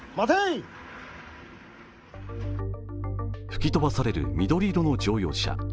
吹き飛ばされる緑色の乗用車。